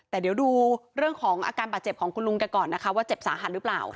แต่เดี๋ยวดูเรื่องของอาการบาดเจ็บของคุณลุงแกก่อนนะคะว่าเจ็บสาหัสหรือเปล่า